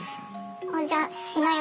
じゃあしない